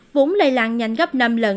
vốn lây lan nhanh gấp năm lần